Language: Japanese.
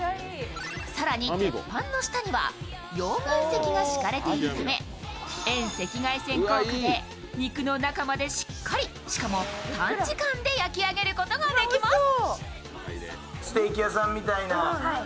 更に、鉄板の下には溶岩石が敷かれているため遠赤外線効果で肉の中までしっかり、しかも短時間で焼き上げることができます。